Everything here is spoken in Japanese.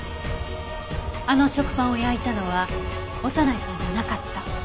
あの食パンを焼いたのは長内さんじゃなかった。